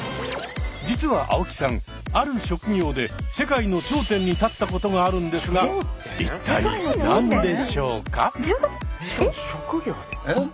実は青木さんある職業で世界の頂点に立ったことがあるんですが一体何でしょうか？